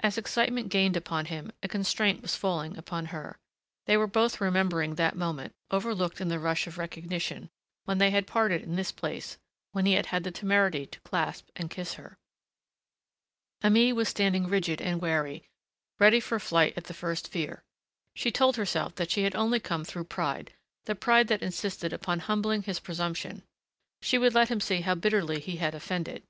As excitement gained upon him, a constraint was falling upon her. They were both remembering that moment, overlooked in the rush of recognition, when they had parted in this place, when he had had the temerity to clasp and kiss her. Aimée was standing rigid and wary, ready for flight at the first fear. She told herself that she had only come through pride, the pride that insisted upon humbling his presumption. She would let him see how bitterly he had offended....